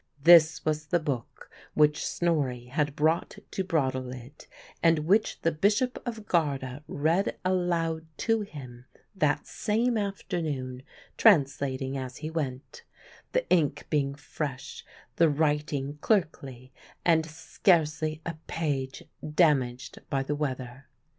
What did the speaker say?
This was the book which Snorri had brought to Brattahlid, and which the Bishop of Garda read aloud to him that same afternoon, translating as he went; the ink being fresh, the writing clerkly, and scarcely a page damaged by the weather.